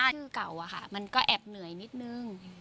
ชื่อเก่าอะค่ะมันก็แอบเหนื่อยนิดนึง